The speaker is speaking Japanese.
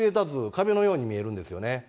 壁のように見えるんですよね。